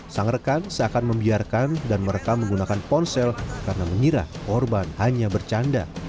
sang rekan seakan membiarkan dan merekam menggunakan ponsel karena mengira korban hanya bercanda